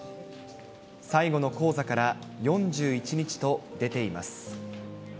最後の高座から４１日と出ています。